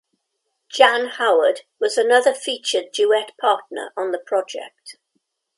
Jan Howard was another featured duet partner on the project.